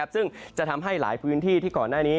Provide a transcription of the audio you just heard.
ซึ่งจะทำให้หลายพื้นที่ที่ก่อนหน้านี้